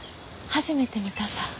初めて見たさ。